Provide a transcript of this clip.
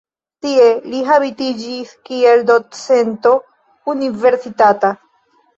Tie li habilitiĝis kiel docento universitata.